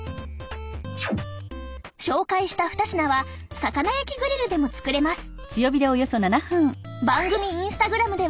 紹介した２品は魚焼きグリルでも作れます。